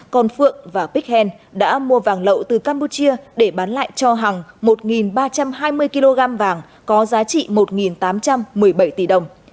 còn phượng và bích hèn đã mua vàng lậu từ campuchia để bán lại cho hằng một ba trăm hai mươi kg vàng có giá trị một tám trăm một mươi bảy tỷ đồng